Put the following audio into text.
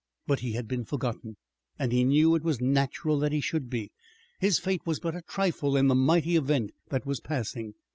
But he had been forgotten, and he knew it was natural that he should be. His fate was but a trifle in the mighty event that was passing.